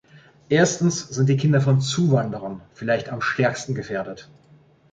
Erstens sind die Kinder von Zuwanderern vielleicht am stärksten gefährdet.